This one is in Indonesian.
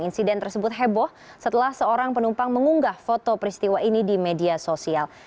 insiden tersebut heboh setelah seorang penumpang mengunggah foto peristiwa ini di media sosial